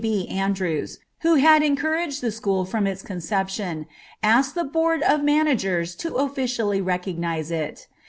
B. Andrews, who had encouraged the school from its conception, asked the Board of Managers to officially recognize it.